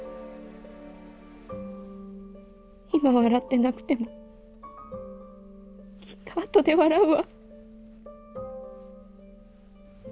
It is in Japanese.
今笑ってなくてもきっと後で笑うわ。